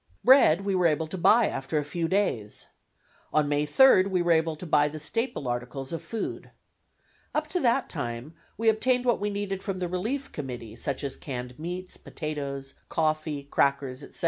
Bread we were able to buy after a few days. On May 3d we were able to buy the staple articles of food. Up to that time we obtained what we needed from the Relief Committee, such as canned meats, potatoes, coffee, crackers, etc.